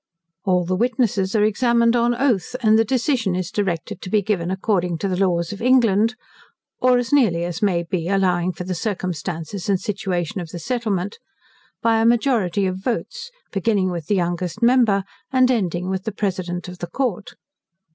All the witnesses are examined on oath, and the decision is directed to be given according to the laws of England, "or as nearly as may be, allowing for the circumstances and situation of the settlement," by a majority of votes, beginning with the youngest member, and ending with the president of the court.